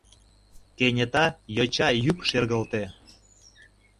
Кенета йоча йӱк шергылте: